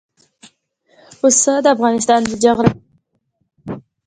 پسه د افغانستان د جغرافیې بېلګه ده.